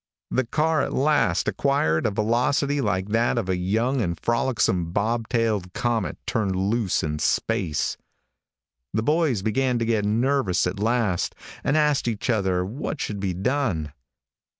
The car at last acquired a velocity like that of a young and frolicsome bob tailed comet turned loose in space. The boys began to get nervous at last, and asked each other what should be done.